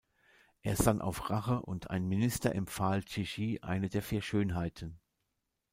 Er sann auf Rache und ein Minister empfahl Xi Shi, eine der Vier Schönheiten.